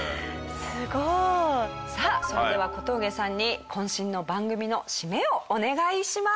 すごい！さあそれでは小峠さんに今週の番組の締めをお願いします！